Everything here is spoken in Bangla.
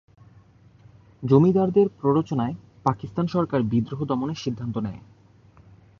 জমিদারদের প্ররোচনায় পাকিস্তান সরকার বিদ্রোহ দমনের সিদ্ধান্ত নেয়।